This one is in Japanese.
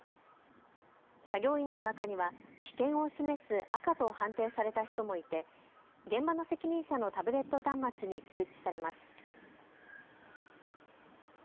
作業員の中には危険を示す赤と判定された人もいて現場の責任者のタブレット端末に通知されます。